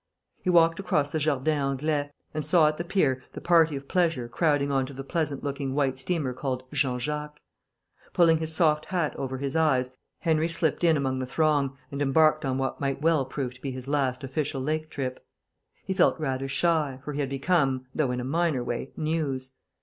He walked across the Jardin Anglais, and saw at the pier the party of pleasure crowding on to a pleasant looking white steamer called Jean Jacques. Pulling his soft hat over his eyes, Henry slipped in among the throng, and embarked on what might well prove to be his last official lake trip. He felt rather shy, for he had become, though in a minor way, News.